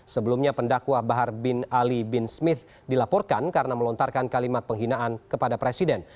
sebelumnya pendakwa bahar bin ali bin smith dilaporkan karena melontarkan kalimat penghinaan kepada presiden